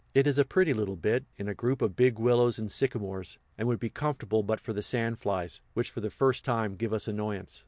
It is a pretty little bit, in a group of big willows and sycamores, and would be comfortable but for the sand flies, which for the first time give us annoyance.